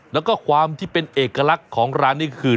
แล้วก็ความที่เป็นเอกลักษณ์ของร้านนี้คือ